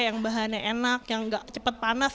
yang bahannya enak yang gak cepat panas